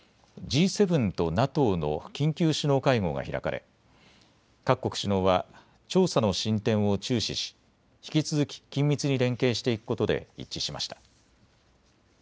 Ｇ７とＮＡＴＯの緊急首脳会合が開かれ、各国首脳は調査の進展を注視し引き続き緊密に連携していくことで一致しました。